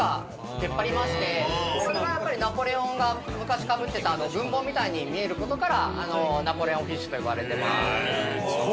それがナポレオンが昔かぶってた軍帽みたいに見えることからナポレオンフィッシュと呼ばれてます。